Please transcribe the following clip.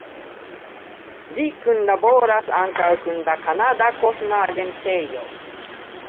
Ĝi kunlaboras ankaŭ kun la Kanada Kosma Agentejo.